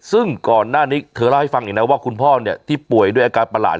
ซึ่งก่อนหน้านี้เธอเล่าให้ฟังอีกนะว่าคุณพ่อเนี่ยที่ป่วยด้วยอาการประหลาด